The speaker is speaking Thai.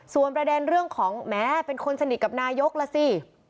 ส่วนประเด็นเรื่องของแม้เป็นคนสนิทกับนายกล่ะสิ